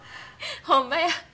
ほんまや。